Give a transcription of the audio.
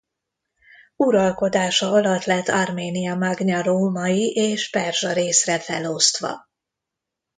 Uralkodása alatt lett Armenia Magna római és perzsa részre felosztva.